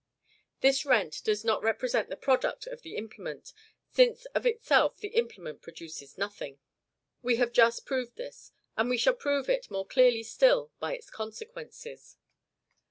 This rent does not represent the product of the implement, since of itself the implement produces nothing; we have just proved this, and we shall prove it more clearly still by its consequences.